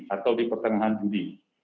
atau di pertengahan juli